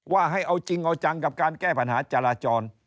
ว่าให้เอาจริงเอาจังกับการแก้ปัญหาจราจร